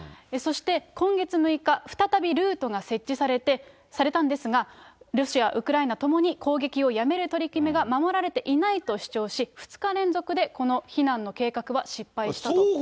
そして、今月６日、再びルートが設置されたんですが、ロシア、ウクライナともに攻撃をやめる取り決めが守られていないと否定し、２日連続でこの避難の計画は失敗したと。